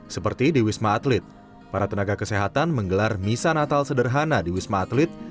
seperti di wisma atlet para tenaga kesehatan menggelar misa natal sederhana di wisma atlet